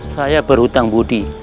saya berhutang budi